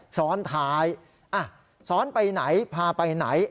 ซ้อนท้ายซ้อนไปไหนพาไปไหน